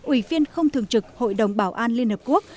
ủy viên không thường trực hội đồng bảo an liên hợp quốc